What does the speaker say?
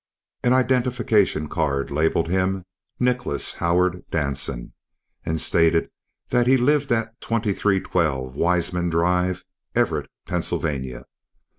An identification card labeled him Nicholas Howard Danson and stated that he lived at 2312 Weisman Drive, Everett, Pennsylvania.